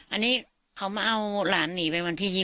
อันนี้เขามาเอาหลานหนีไปวันที่๒๒